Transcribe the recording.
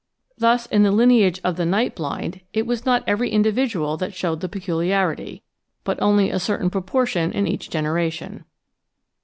Thus in the lineage of the "night blind" it was not every individual that showed the peculiarity, but only a certain proportion in each generation.